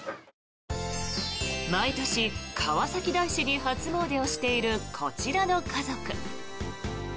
毎年、川崎大師に初詣をしているこちらの家族。